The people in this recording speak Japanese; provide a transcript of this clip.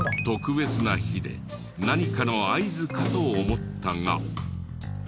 特別な日で何かの合図かと思ったが。